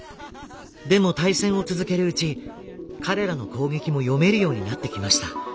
でも対戦を続けるうち彼らの攻撃も読めるようになってきました。